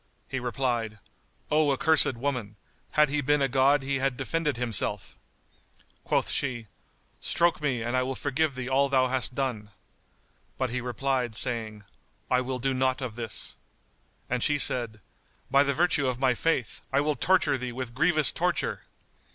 He replied, "O accursed woman, had he been a god he had defended himself!" Quoth she, "Stroke me and I will forgive thee all thou hast done." But he replied, saying, "I will do nought of this." And she said, "By the virtue of my faith, I will torture thee with grievous torture!"